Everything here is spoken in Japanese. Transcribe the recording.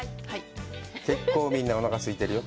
結構みんな、おなかすいてるよ。